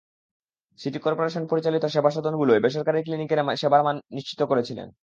City corporation পরিচালিত সেবা সদনগুলোয় বেসরকারি ক্লিনিকের মানের সেবা প্রদান নিশ্চিত করেছিলেন।